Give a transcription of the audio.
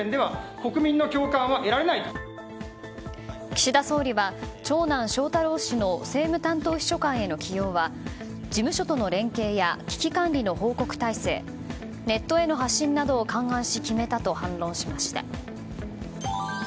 岸田総理は長男・翔太郎氏の政務担当秘書官への起用は事務所との連携や危機管理の報告体制ネットへの発信などを勘案し決めたと反論しました。